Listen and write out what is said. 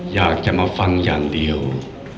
อยากจะมาฟังอย่างเดียว